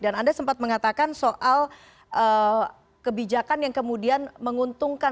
dan anda sempat mengatakan soal kebijakan yang kemudian diberikan oleh pt gsi